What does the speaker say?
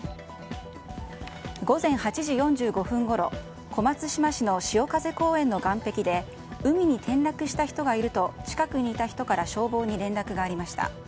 午前８時４５分ごろ小松島市のしおかぜ公園の岸壁で海に転落した人がいると近くにいた人から消防に連絡がありました。